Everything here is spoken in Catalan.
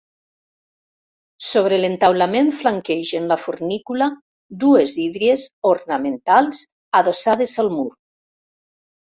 Sobre l'entaulament flanquegen la fornícula dues hídries ornamentals adossades al mur.